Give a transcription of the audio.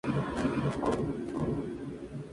Se sucedieron nuevos encargos.